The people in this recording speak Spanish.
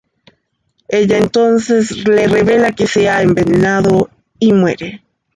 Ella entonces le revela que se ha envenenado y muere.